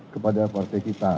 kepada partai kita